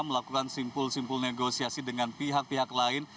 melakukan simpul simpul negosiasi dengan pihak pihak lain